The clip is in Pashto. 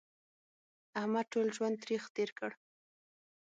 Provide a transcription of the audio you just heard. احمد ټول ژوند تریخ تېر کړ